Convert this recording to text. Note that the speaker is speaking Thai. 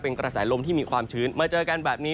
เป็นกระแสลมที่มีความชื้นมาเจอกันแบบนี้